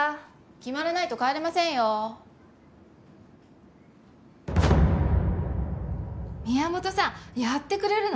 決まらないと帰れませんよ宮本さんやってくれるの？